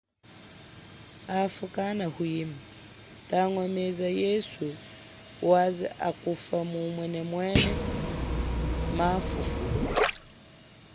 Hafu kana hwima, tangwa meza yesu waze hakufa muhumwene mwena ma fufuka.